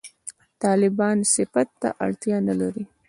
«طالبان» صفت ته اړتیا نه لري.